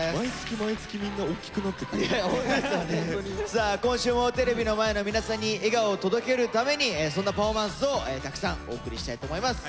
さあ今週もテレビの前の皆さんに笑顔を届けるためにそんなパフォーマンスをたくさんお送りしたいと思います。